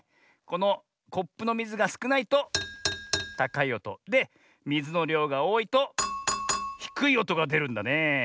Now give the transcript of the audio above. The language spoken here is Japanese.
このコップのみずがすくないとたかいおと。でみずのりょうがおおいとひくいおとがでるんだねえ。